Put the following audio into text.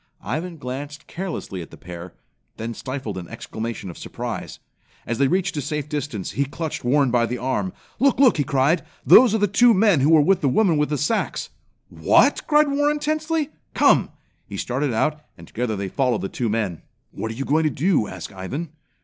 Ivan glanced carelessly at the pair, then stifled an exclamation of surprise. As they reached a safe distance, he clutched Warren by the arm. "Look, look!" he cried. "Those are the two men who were with the woman with the sacks." "What!" cried Warren tensely. "Come!" He started out, and together they followed the two men. "What are you going to do?" asked Ivan.